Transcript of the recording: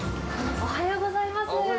おはようございます。